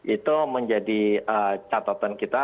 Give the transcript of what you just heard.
itu menjadi catatan kita